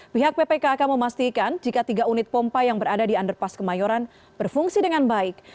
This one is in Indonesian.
pihak ppkk memastikan jika tiga unit pompa yang berada di underpass kemayoran berfungsi dengan baik